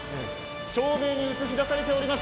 照明に映し出されています。